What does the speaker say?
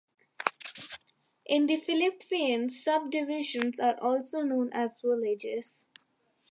In the Philippines, subdivisions are also known as villages.